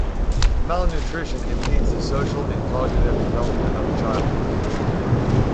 Malnutrition impedes the social and cognitive development of a child.